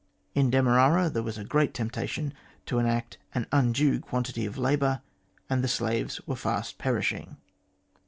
In Demerara there was a great temptation to exact an undue quantity of labour, and the slaves were fast perishing."